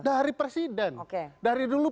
dari presiden dari dulu